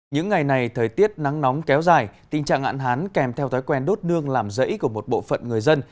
những ngày này thời tiết nắng nóng kéo dài tình trạng hạn hán kèm theo thói quen đốt nương làm rẫy của một bộ phận người dân